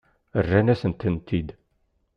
Rrant-as-tent-id.